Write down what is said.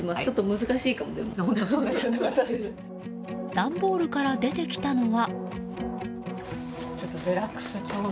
段ボールから出てきたのは。